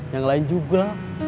yang lain juga